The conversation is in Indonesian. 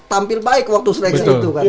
tampil baik waktu seleksi itu kan